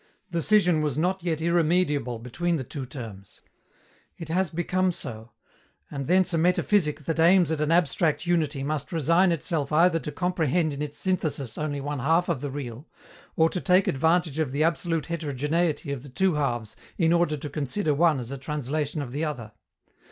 The scission was not yet irremediable between the two terms. It has become so, and thence a metaphysic that aims at an abstract unity must resign itself either to comprehend in its synthesis only one half of the real, or to take advantage of the absolute heterogeneity of the two halves in order to consider one as a translation of the other.